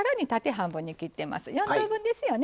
４等分ですよね。